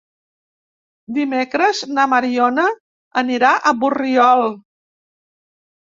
Dimecres na Mariona anirà a Borriol.